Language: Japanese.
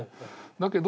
だけど。